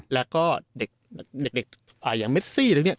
แล้วก็เด็กอย่างเมซี่อะไรเนี่ย